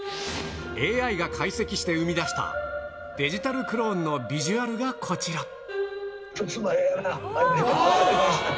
ＡＩが解析して生み出した、デジタルクローンのビジュアルがこちら。